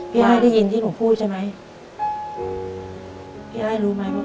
ไอ้ได้ยินที่หนูพูดใช่ไหมพี่อ้ายรู้ไหมว่า